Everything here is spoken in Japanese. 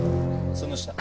その下。